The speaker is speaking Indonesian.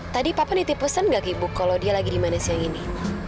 tadi papa niti pesan gak ke ibu kalau dia lagi dimana siang ini